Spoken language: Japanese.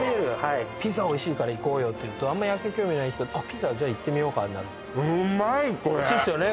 ピザおいしいから行こうよって言うとあんまり野球興味ない人「あっピザ？じゃ行ってみようか」になるおいしいっすよね